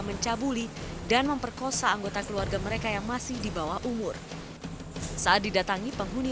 mencabuli dan memperkosa anggota keluarga mereka yang masih di bawah umur saat didatangi penghuni